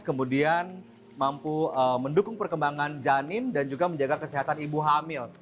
kemudian mampu mendukung perkembangan janin dan juga menjaga kesehatan ibu hamil